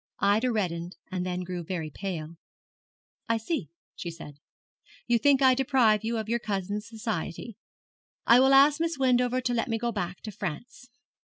Ida reddened, and then grew very pale. 'I see,' she said, 'you think I deprive you of your cousin's society. I will ask Miss Wendover to let me go back to France.'